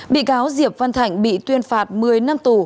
bị cáo diệp văn thạnh bị tuyên phạt một mươi năm tù